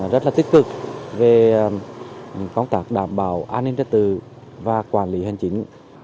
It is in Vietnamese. rất là tích cực về công tác đảm bảo an ninh trật tự và quản lý hành chính